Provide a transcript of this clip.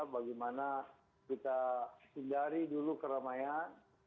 bagaimana kita hindari dulu keramaian